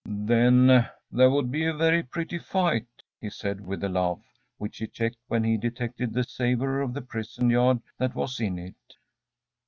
“Then there would be a very pretty fight,‚ÄĚ he said, with a laugh, which he checked when he detected the savour of the prison yard that was in it.